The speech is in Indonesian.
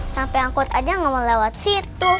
sampai anggot aja gak mau lewat situ